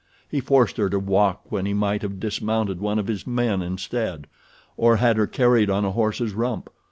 He forced her to walk when he might have dismounted one of his men instead, or had her carried on a horse's rump.